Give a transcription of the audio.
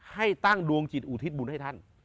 ให้ตั้งดวงจิตอุทิศบุญให้ท่าน